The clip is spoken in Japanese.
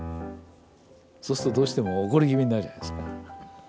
そうするとどうしても怒り気味になるじゃないですか。